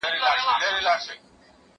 زه کولای سم مېوې وچوم،